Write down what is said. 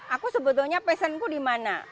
aku sebetulnya passion ku dimana